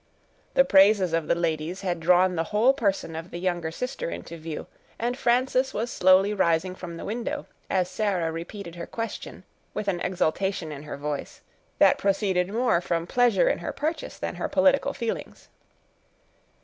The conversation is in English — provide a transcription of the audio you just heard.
The praises of the ladies had drawn the whole person of the younger sister into view; and Frances was slowly rising from the window, as Sarah repeated her question, with an exultation in her voice, that proceeded more from pleasure in her purchase, than her political feelings.